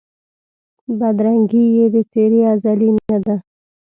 بدرنګي یې د څېرې ازلي نه ده